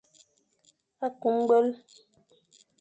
Kü ñgwel.